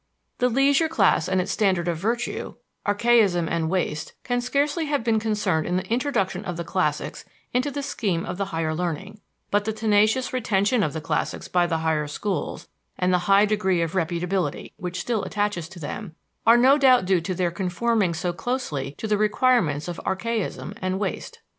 The leisure class and its standard of virtue archaism and waste can scarcely have been concerned in the introduction of the classics into the scheme of the higher learning; but the tenacious retention of the classics by the higher schools, and the high degree of reputability which still attaches to them, are no doubt due to their conforming so closely to the requirements of archaism and waste.